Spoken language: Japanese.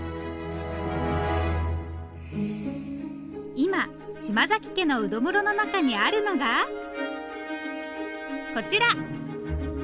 今嶋家のうど室の中にあるのがこちら！